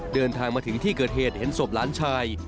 เดินทางมาถึงที่เกิดเหตุเห็นศพหลานชาย